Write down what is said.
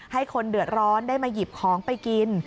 ให้คนเดือดร้อนได้มาหยิบของไปกิน